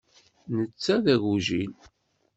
Netta d agujil.